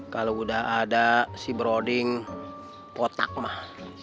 kalo udah ada si brody potak mah